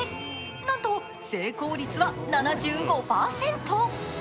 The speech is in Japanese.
なんと成功率は７５％。